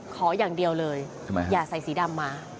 ขออย่างเดียวเลยอย่าใส่สีดำมา